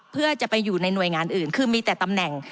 เพื่อจะไปอยู่ในหน่วยงานอื่นคือมีแต่ตำแหน่ง